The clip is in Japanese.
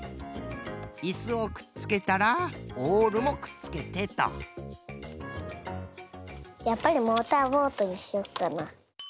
いすをくっつけたらオールもくっつけてとやっぱりモーターボートにしよっかな。